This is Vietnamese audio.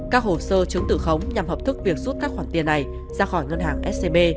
các hồ sơ chứng tử khống nhằm hợp thức việc rút các khoản tiền này ra khỏi ngân hàng scb